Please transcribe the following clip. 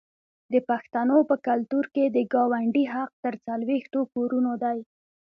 د پښتنو په کلتور کې د ګاونډي حق تر څلوېښتو کورونو دی.